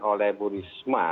oleh bu risma